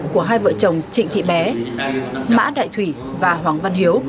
của hai vợ chồng trịnh thị bé mã đại thủy và hoàng văn hiếu